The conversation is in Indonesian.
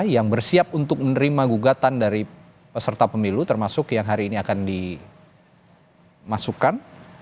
yang bersiap untuk menerima gugatan dari peserta pemilu termasuk yang hari ini akan dimasukkan